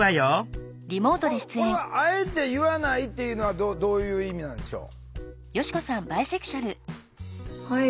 これはあえて言わないっていうのはどういう意味なんでしょう？